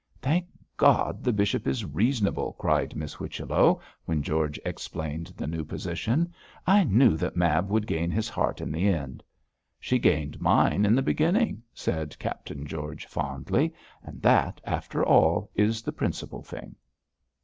'Thank God the bishop is reasonable,' cried Miss Whichello, when George explained the new position. 'I knew that Mab would gain his heart in the end.' 'She gained mine in the beginning,' said Captain George, fondly, 'and that, after all, is the principal thing.'